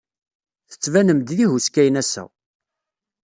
Tettbanem-d d ihuskayen ass-a.